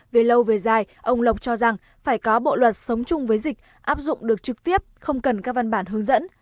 về lâu về dài ông lộc cho rằng phải có bộ luật sống chung với dịch áp dụng được trực tiếp không cần các văn bản hướng dẫn